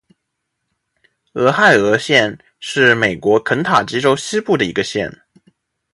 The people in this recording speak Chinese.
俄亥俄县是美国肯塔基州西部的一个县。